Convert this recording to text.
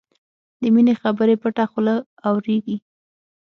د مینې خبرې پټه خوله اورېږي